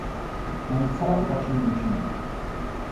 Mají zcela opačný účinek.